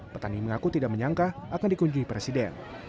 petani mengaku tidak menyangka akan dikunjungi presiden